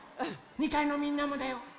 ２かいのみんなもだよ。